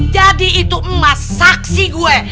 jadi itu emas saksi gue